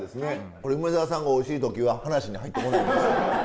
これ梅沢さんがおいしい時は話に入ってこないんです。